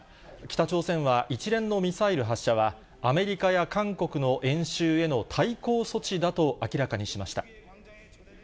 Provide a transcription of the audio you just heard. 北朝鮮は一連のミサイル発射は、アメリカや韓国の演習への対抗措置だと明らかにしました。